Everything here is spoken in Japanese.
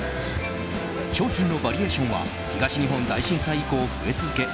商品のバリエーションは東日本大震災以降増え続け